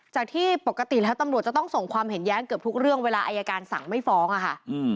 จากที่ปกติแล้วตำรวจจะต้องส่งความเห็นแย้งเกือบทุกเรื่องเวลาอายการสั่งไม่ฟ้องอะค่ะ